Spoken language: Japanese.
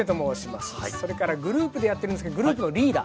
それからグループでやってるんですけどグループのリーダー。